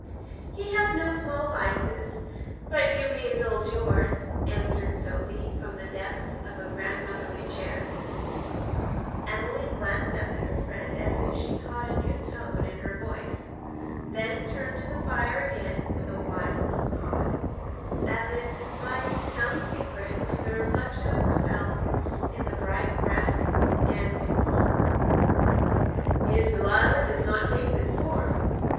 "He has no small vices, but you may indulge yours," answered Sophie, from the depths of a grandmotherly chair. Emily glanced up at her friend as if she caught a new tone in her voice, then turned to the fire again with a wise little nod, as if confiding some secret to the reflection of herself in the bright brass andiron. "His Delilah does not take this form.